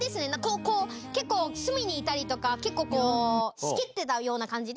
こう、結構隅にいたりとか、結構こう、しけってたような感じで。